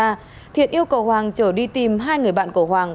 sau đó thiện yêu cầu hoàng trở đi tìm hai người bạn của hoàng